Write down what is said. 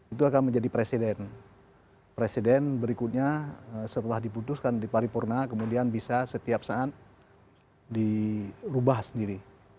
itu akan menjadi presiden presiden berikutnya setelah diputuskan di paripurna kemudian bisa setiap saat dirubah sendiri